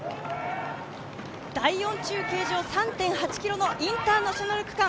第４中継所、第４区のインターナショナル区間。